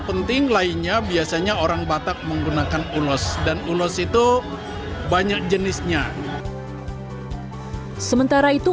penting lainnya biasanya orang batak menggunakan ulos dan ulos itu banyak jenisnya sementara itu